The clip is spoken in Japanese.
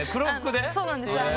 そうなんです。